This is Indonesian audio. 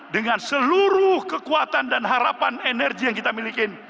dengan seluruh kekuatan dan harapan energi yang kita miliki